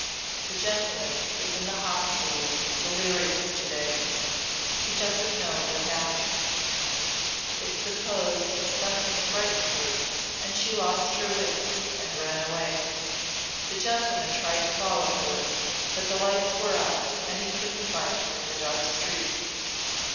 The gentleman is in the hospital delirious to day. He doesn't know what happened. It's supposed something frightened her and she lost her wits and ran away. The gentleman tried to follow her but the lights were out and he couldn't find her in the dark streets.